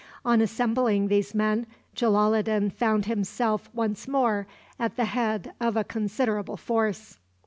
On assembling these men, Jalaloddin found himself once more at the head of a considerable force.